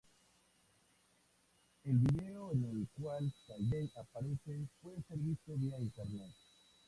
El video en el cual Talley aparece puede ser visto via internet.